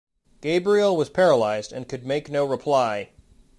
Gabriel was paralysed, and could make no reply.